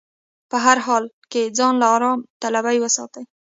په هر حال کې ځان له ارام طلبي وساتي.